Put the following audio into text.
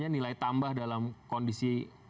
nilai tambah dalam kondisi